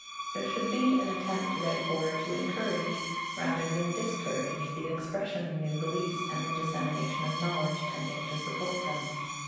There should be an attempt, therefore, to encourage, rather than discourage, the expression of new beliefs and the dissemination of knowledge tending to support them.